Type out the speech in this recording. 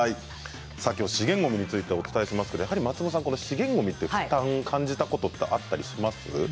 きょうは資源ごみについてお伝えしますが、松本さん資源ごみについて負担を感じたりしますか？